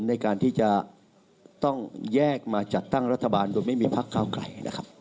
ในการที่จะต้องแยกมาจัดตั้งรัฐบาลโดยไม่มีพักเก้าไกลนะครับ